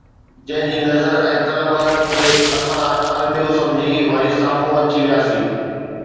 جنهن جي نظر ۽ طلب کي اسان الميو سمجهي، وري سامهون اچي وياسين